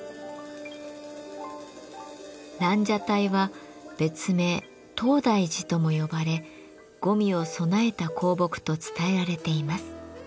蘭奢待は別名「東大寺」とも呼ばれ五味を備えた香木と伝えられています。